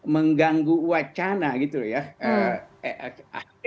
mengganggu wacana gitu ya mengganggu wacana gitu ya